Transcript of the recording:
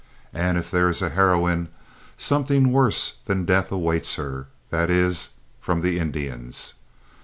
And if there is a heroine, something worse than death awaits her that is, from the Indians.